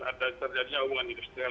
ada terjadinya hubungan industrial